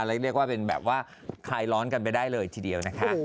เรียกว่าเป็นแบบว่าคลายร้อนกันไปได้เลยทีเดียวนะคะ